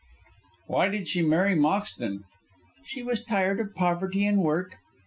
"Why did she marry Moxton?" "She was tired of poverty and work.